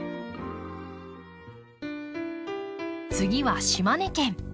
次は島根県。